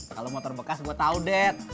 kalau motor bekas gue tau deh